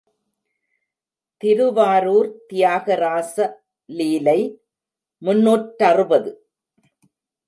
திருவாரூர்த் Thiagaraja Leelai முந்நூற்றறுபது.